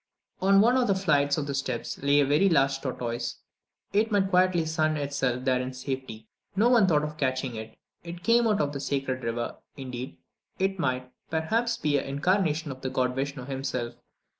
On one of the flights of steps lay a very large tortoise. It might quietly sun itself there in safety no one thought of catching it. It came out of the sacred river; indeed, it might, perhaps, be the incarnation of the god Vishnu himself.